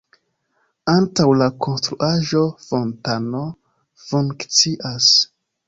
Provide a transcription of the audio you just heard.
Antaŭ la konstruaĵo fontano funkcias.